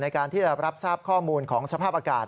ในการที่จะรับทราบข้อมูลของสภาพอากาศ